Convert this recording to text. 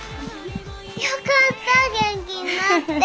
よかった元気になって。